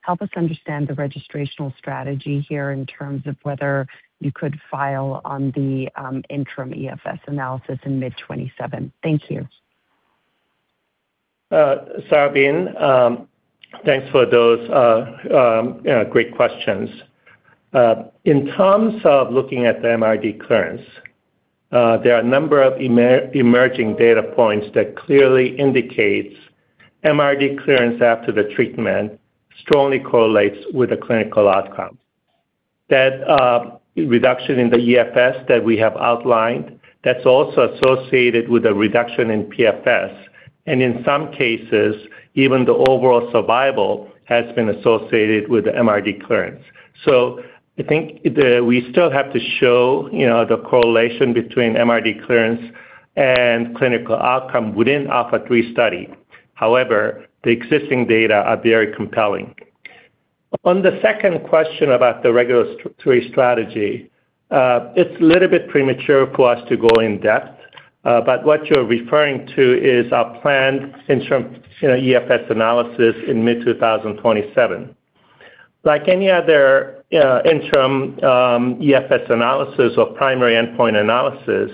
Help us understand the registrational strategy here in terms of whether you could file on the interim EFS analysis in mid 2027. Thank you. Salveen, thanks for those great questions. In terms of looking at the MRD clearance, there are a number of emerging data points that clearly indicates MRD clearance after the treatment strongly correlates with the clinical outcome. That reduction in the EFS that we have outlined, that's also associated with a reduction in PFS, and in some cases, even the overall survival has been associated with MRD clearance. I think we still have to show the correlation between MRD clearance and clinical outcome within ALPHA3 study. However, the existing data are very compelling. On the second question about the regulatory strategy, it's a little bit premature for us to go in depth, but what you're referring to is our planned interim EFS analysis in mid-2027. Like any other interim EFS analysis or primary endpoint analysis,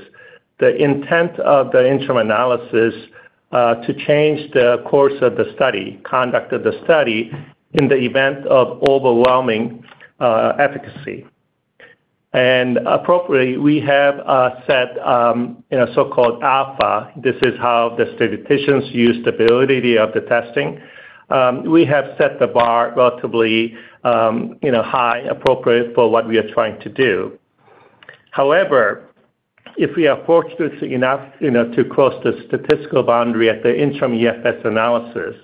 the intent of the interim analysis to change the course of the study, conduct of the study in the event of overwhelming efficacy. Appropriately, we have set a so-called alpha. This is how the statisticians use the validity of the testing. We have set the bar relatively high, appropriate for what we are trying to do. However, if we are fortunate enough to cross the statistical boundary at the interim EFS analysis,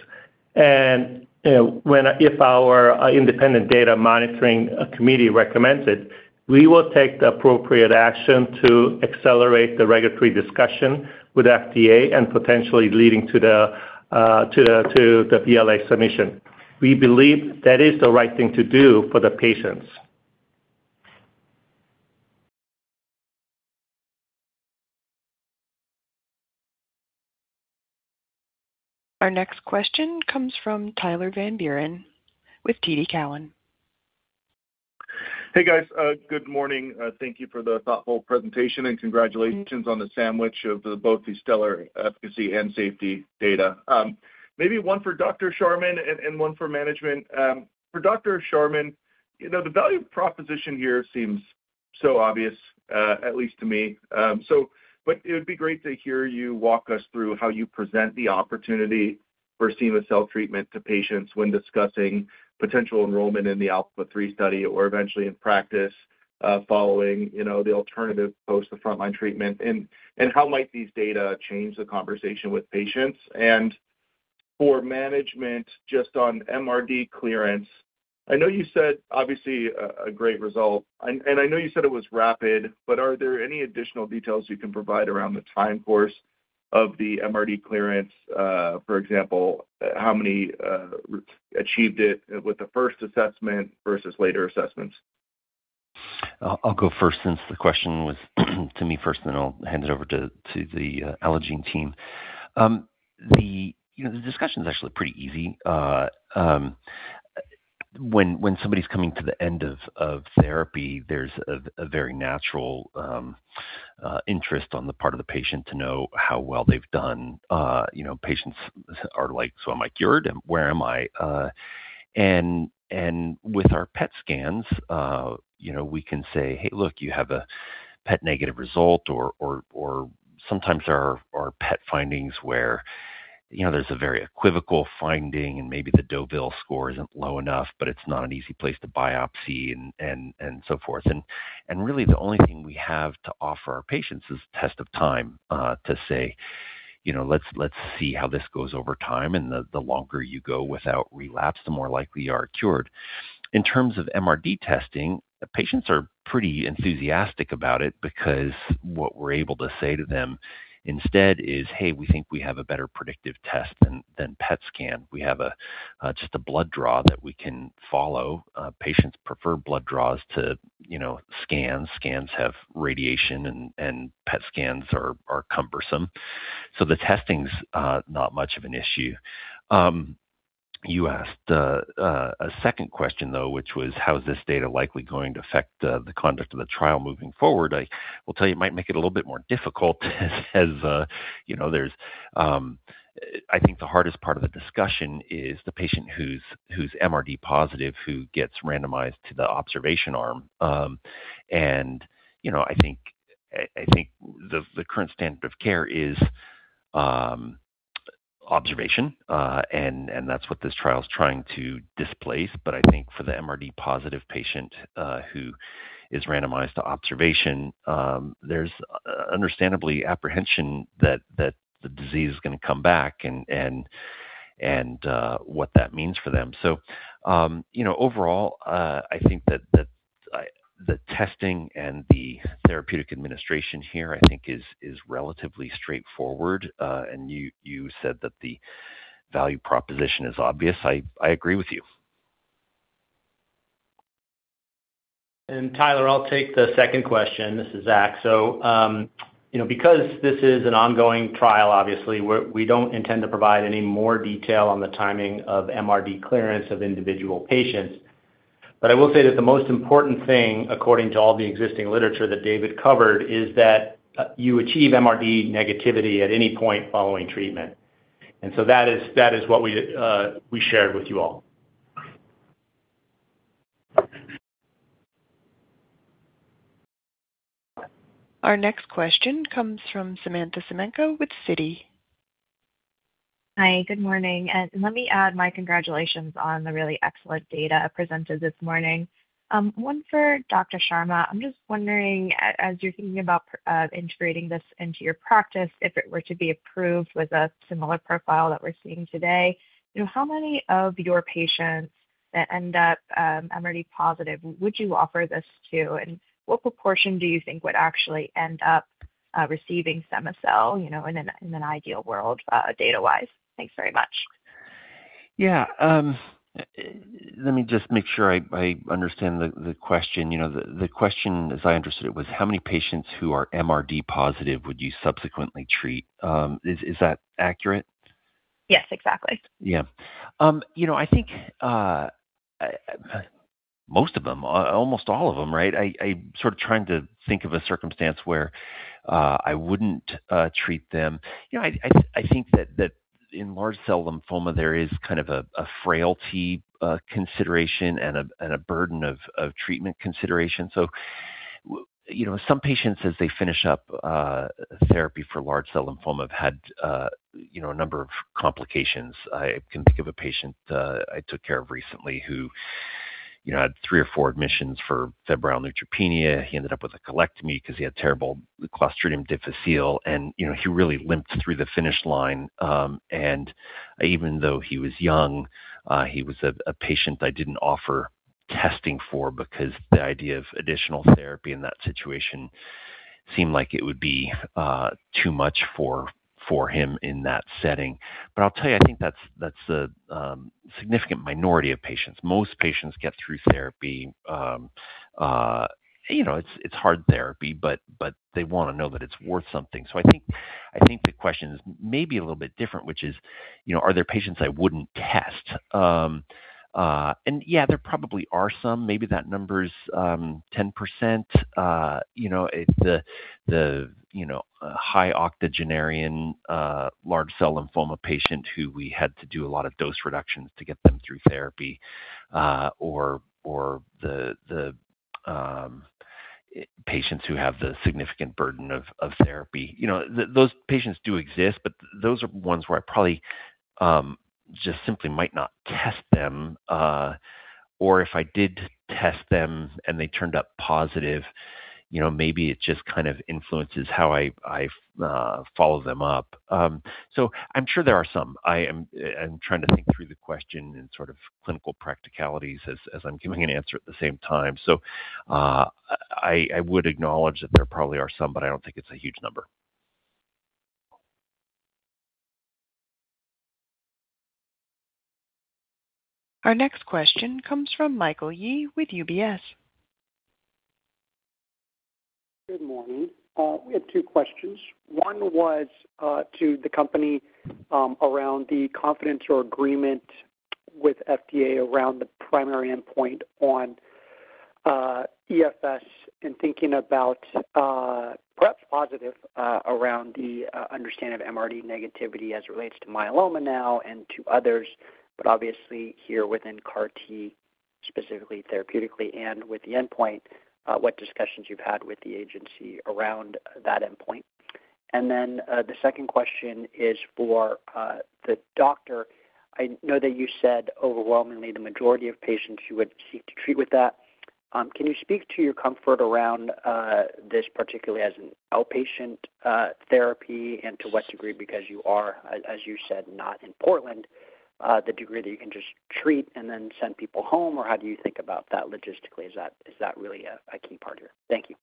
and if our independent data monitoring committee recommends it, we will take the appropriate action to accelerate the regulatory discussion with FDA and potentially leading to the BLA submission. We believe that is the right thing to do for the patients. Our next question comes from Tyler Van Buren with TD Cowen. Hey, guys. Good morning. Thank you for the thoughtful presentation and congratulations on the sandwich of both the stellar efficacy and safety data. Maybe one for Dr. Sharman and one for management. For Dr. Sharman, the value proposition here seems so obvious, at least to me. It would be great to hear you walk us through how you present the opportunity for cema-cel treatment to patients when discussing potential enrollment in the ALPHA3 study, or eventually in practice, following the alternative post the frontline treatment, and how might these data change the conversation with patients? For management, just on MRD clearance, I know you said, obviously, a great result, and I know you said it was rapid, but are there any additional details you can provide around the time course of the MRD clearance? For example, how many achieved it with the first assessment versus later assessments? I'll go first since the question was to me first, then I'll hand it over to the Allogene team. The discussion is actually pretty easy. When somebody's coming to the end of therapy, there's a very natural interest on the part of the patient to know how well they've done. Patients are like, "Am I cured? Where am I?" With our PET scans we can say, "Hey, look, you have a PET negative result," or sometimes there are PET findings where there's a very equivocal finding and maybe the Deauville score isn't low enough, but it's not an easy place to biopsy and so forth. Really the only thing we have to offer our patients is test of time to say, let's see how this goes over time, and the longer you go without relapse, the more likely you are cured. In terms of MRD testing, patients are pretty enthusiastic about it because what we're able to say to them instead is, hey, we think we have a better predictive test than PET scan. We have just a blood draw that we can follow. Patients prefer blood draws to scans. Scans have radiation and PET scans are cumbersome. The testing's not much of an issue. You asked a second question, though, which was how is this data likely going to affect the conduct of the trial moving forward? I will tell you it might make it a little bit more difficult. I think the hardest part of the discussion is the patient who's MRD-positive who gets randomized to the observation arm. I think the current standard of care is observation, and that's what this trial's trying to displace. I think for the MRD-positive patient who is randomized to observation, there's understandably apprehension that the disease is going to come back and what that means for them. Overall, I think that the testing and the therapeutic administration here, I think is relatively straightforward. You said that the value proposition is obvious. I agree with you. Tyler, I'll take the second question. This is Zach. Because this is an ongoing trial, obviously, we don't intend to provide any more detail on the timing of MRD clearance of individual patients. I will say that the most important thing, according to all the existing literature that David covered, is that you achieve MRD negativity at any point following treatment. That is what we shared with you all. Our next question comes from Samantha Semenkow with Citi. Hi, good morning. Let me add my congratulations on the really excellent data presented this morning. One for Jeff Sharman. I'm just wondering, as you're thinking about integrating this into your practice, if it were to be approved with a similar profile that we're seeing today, how many of your patients that end up MRD-positive would you offer this to, and what proportion do you think would actually end up receiving cema-cel in an ideal world, data-wise? Thanks very much. Yeah. Let me just make sure I understand the question. The question as I understood it was how many patients who are MRD positive would you subsequently treat? Is that accurate? Yes, exactly. Yeah. I think most of them, almost all of them, right? I'm sort of trying to think of a circumstance where I wouldn't treat them. I think that in large cell lymphoma, there is kind of a frailty consideration and a burden of treatment consideration. Some patients, as they finish up therapy for large cell lymphoma, have had a number of complications. I can think of a patient I took care of recently who had three or four admissions for febrile neutropenia. He ended up with a colectomy because he had terrible Clostridium difficile, and he really limped through the finish line. Even though he was young, he was a patient I didn't offer testing for because the idea of additional therapy in that situation seemed like it would be too much for him in that setting. I'll tell you, I think that's a significant minority of patients. Most patients get through therapy. It's hard therapy, but they want to know that it's worth something. I think the question is maybe a little bit different, which is, are there patients I wouldn't test? Yeah, there probably are some, maybe that number's 10%. It's the high octogenarian large cell lymphoma patient who we had to do a lot of dose reductions to get them through therapy, or the patients who have the significant burden of therapy. Those patients do exist, but those are ones where I probably just simply might not test them. If I did test them and they turned up positive, maybe it just kind of influences how I follow them up. I'm sure there are some. I'm trying to think through the question in sort of clinical practicalities as I'm giving an answer at the same time. I would acknowledge that there probably are some, but I don't think it's a huge number. Our next question comes from Michael Yee with UBS. Good morning. We have two questions. One was to the company around the confidence or agreement with FDA around the primary endpoint on EFS and thinking about perhaps positive around the understanding of MRD negativity as it relates to myeloma now and to others. Obviously here within CAR T, specifically therapeutically and with the endpoint, what discussions you've had with the agency around that endpoint? The second question is for the Doctor. I know that you said overwhelmingly the majority of patients you would seek to treat with that. Can you speak to your comfort around this, particularly as an outpatient therapy and to what degree, because you are, as you said, not in Portland, the degree that you can just treat and then send people home, or how do you think about that logistically? Is that really a key part here? Thank you.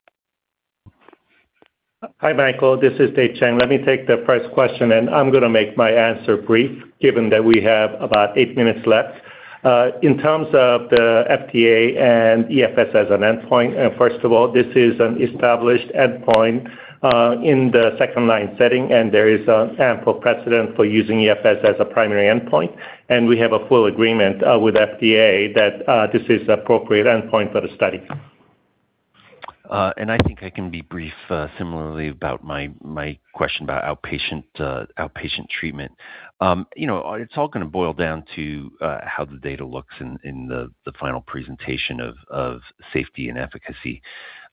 Hi, Michael. This is David Chang. Let me take the first question, and I'm going to make my answer brief, given that we have about eight minutes left. In terms of the FDA and EFS as an endpoint, first of all, this is an established endpoint in the second-line setting, and there is ample precedent for using EFS as a primary endpoint. We have a full agreement with FDA that this is appropriate endpoint for the study. I think I can be brief similarly about my question about outpatient treatment. It's all going to boil down to how the data looks in the final presentation of safety and efficacy,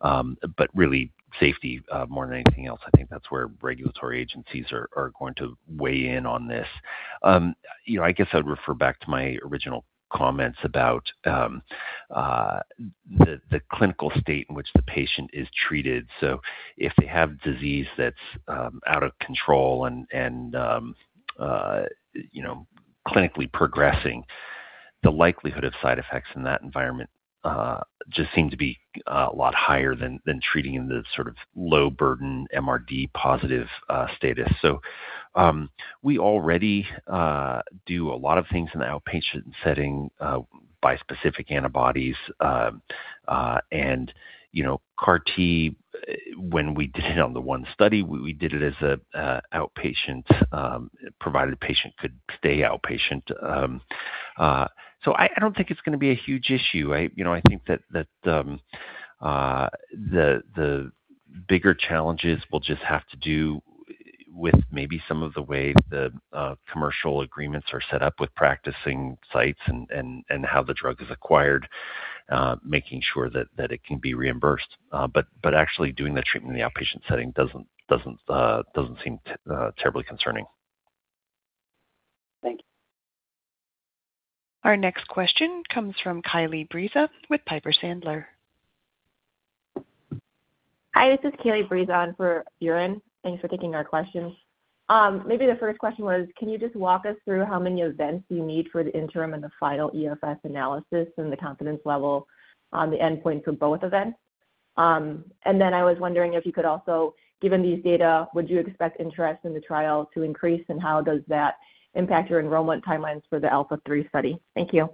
but really safety more than anything else. I think that's where regulatory agencies are going to weigh in on this. I guess I'd refer back to my original comments about the clinical state in which the patient is treated. If they have disease that's out of control and clinically progressing, the likelihood of side effects in that environment just seem to be a lot higher than treating in the sort of low burden MRD positive status. We already do a lot of things in the outpatient setting, bispecific antibodies, and CAR T, when we did it on the one study, we did it as an outpatient, provided the patient could stay outpatient. I don't think it's going to be a huge issue. I think that the bigger challenges will just have to do with maybe some of the way the commercial agreements are set up with practicing sites and how the drug is acquired, making sure that it can be reimbursed. Actually doing the treatment in the outpatient setting doesn't seem terribly concerning. Thank you. Our next question comes from Kailie Briza with Piper Sandler. Hi, this is Kailie Briza on for Biren. Thanks for taking our questions. Maybe the first question was, can you just walk us through how many events you need for the interim and the final EFS analysis and the confidence level on the endpoint for both events? I was wondering if you could also, given these data, would you expect interest in the trial to increase, and how does that impact your enrollment timelines for the ALPHA3 study? Thank you.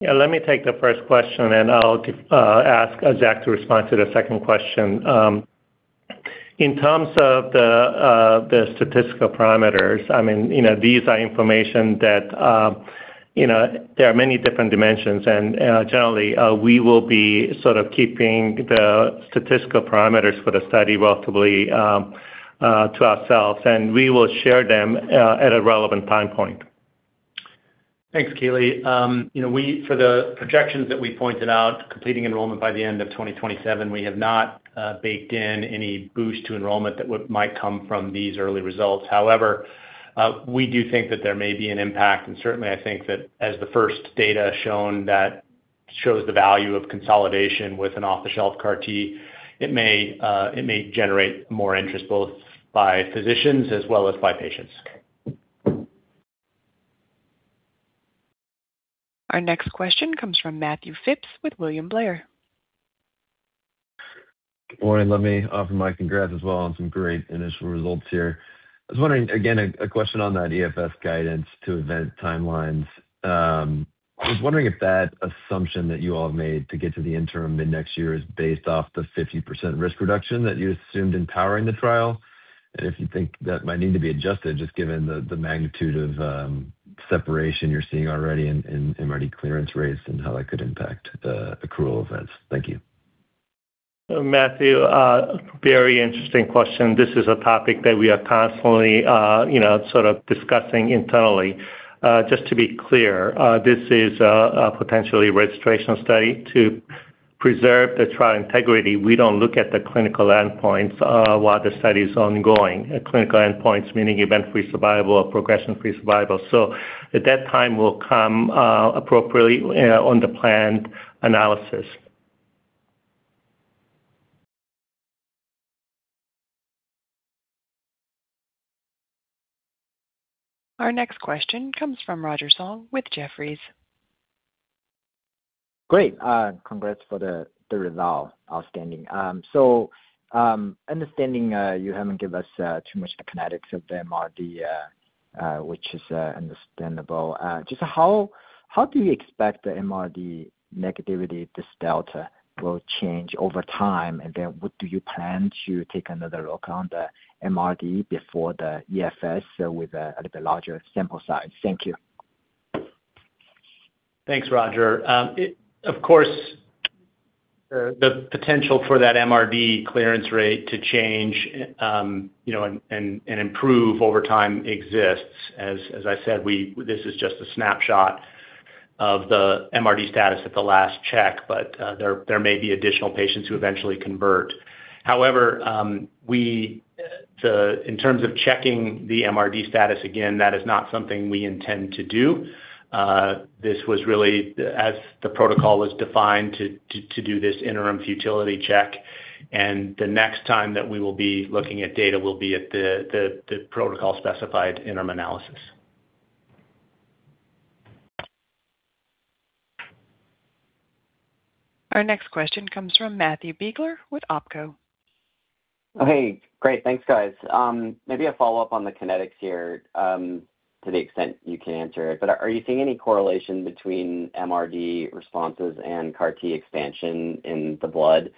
Yeah, let me take the first question, and I'll ask Zach to respond to the second question. In terms of the statistical parameters, these are information that there are many different dimensions, and generally, we will be keeping the statistical parameters for the study relatively to ourselves, and we will share them at a relevant time point. Thanks, Keeley. For the projections that we pointed out, completing enrollment by the end of 2027, we have not baked in any boost to enrollment that might come from these early results. However, we do think that there may be an impact, and certainly I think that as the first data shown that shows the value of consolidation with an off-the-shelf CAR T, it may generate more interest both by physicians as well as by patients. Our next question comes from Matt Phipps with William Blair. Good morning. Let me offer my congrats as well on some great initial results here. I was wondering, again, a question on that EFS guidance to event timelines. I was wondering if that assumption that you all have made to get to the interim mid next year is based off the 50% risk reduction that you assumed in powering the trial, and if you think that might need to be adjusted, just given the magnitude of separation you're seeing already in MRD clearance rates and how that could impact accrual events? Thank you. Matthew, very interesting question. This is a topic that we are constantly sort of discussing internally. Just to be clear, this is a potentially registrational study. To preserve the trial integrity, we don't look at the clinical endpoints while the study is ongoing, clinical endpoints, meaning event-free survival or progression-free survival. That time will come appropriately on the planned analysis. Our next question comes from Roger Song with Jefferies. Great. Congrats for the result. Outstanding. Understanding you haven't give us too much the kinetics of the MRD, which is understandable. Just how do you expect the MRD negativity, this delta, will change over time? What do you plan to take another look on the MRD before the EFS with a little bit larger sample size? Thank you. Thanks, Roger. Of course, the potential for that MRD clearance rate to change and improve over time exists. As I said, this is just a snapshot of the MRD status at the last check, but there may be additional patients who eventually convert. However, in terms of checking the MRD status again, that is not something we intend to do. This was really as the protocol was defined to do this interim futility check, and the next time that we will be looking at data will be at the protocol-specified interim analysis. Our next question comes from Matthew Biegler with OpCo. Hey, great. Thanks, guys. Maybe a follow-up on the kinetics here, to the extent you can answer it, but are you seeing any correlation between MRD responses and CAR T expansion in the blood?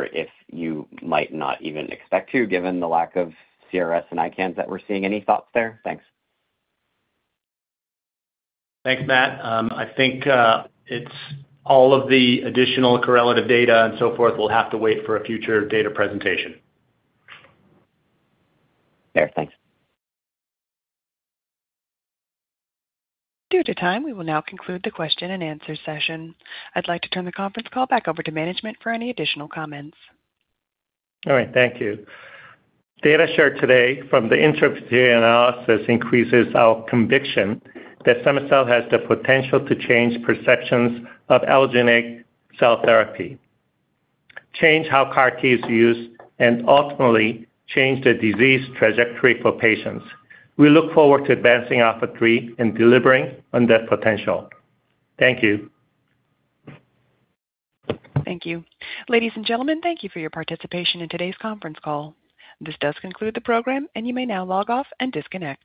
If you might not even expect to, given the lack of CRS and ICANS that we're seeing, any thoughts there? Thanks. Thanks, Matt. I think all of the additional correlative data and so forth will have to wait for a future data presentation. Fair. Thanks. Due to time, we will now conclude the question and answer session. I'd like to turn the conference call back over to management for any additional comments. All right. Thank you. Data shared today from the interim analysis increases our conviction that cema-cel has the potential to change perceptions of allogeneic cell therapy, change how CAR T is used, and ultimately change the disease trajectory for patients. We look forward to advancing ALPHA3 and delivering on that potential. Thank you. Thank you. Ladies and gentlemen, thank you for your participation in today's conference call. This does conclude the program, and you may now log off and disconnect.